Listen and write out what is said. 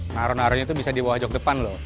naruh naruhnya tuh bisa di bawah jok depan loh